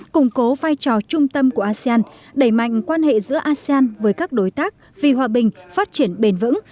củng cố vai trò trung tâm của asean đẩy mạnh quan hệ giữa asean với các đối tác vì hòa bình phát triển bền vững